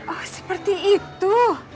oh seperti itu